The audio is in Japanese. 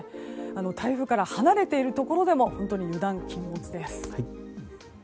台風から離れているところでも油断禁物です。